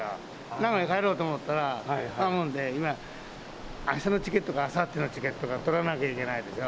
長野に帰ろうと思ったら、なもんで、今、あしたのチケットかあさってのチケットか取らなきゃいけないでしょ。